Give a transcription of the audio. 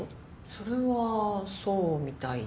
それはそうみたいです。